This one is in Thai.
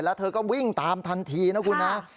แล้วเธอก็วิ่งตามทันทีนะคุณนะ